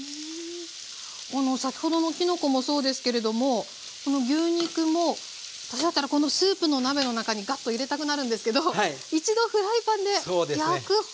あの先ほどのきのこもそうですけれどもこの牛肉も私だったらこのスープの鍋の中にガッと入れたくなるんですけど一度フライパンで焼くという。